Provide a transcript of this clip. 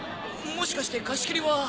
もしかして貸し切りは。